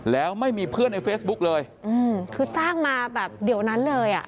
แล้วไม่มีเพื่อนในเฟซบุ๊กเลยอืมคือสร้างมาแบบเดี๋ยวนั้นเลยอ่ะ